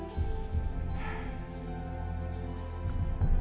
kenapa kamu bisa bilang begitu